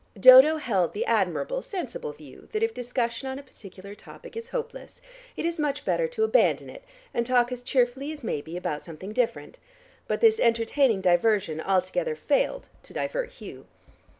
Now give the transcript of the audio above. Dodo held the admirable sensible view that if discussion on a particular topic is hopeless, it is much better to abandon it, and talk as cheerfully as may be about something different. But this entertaining diversion altogether failed to divert Hugh.